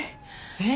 えっ？